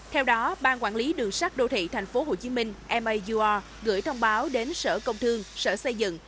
theo đó ban quản lý đường sắt đô thị tp hcm mao gửi thông báo đến sở công thương sở xây dựng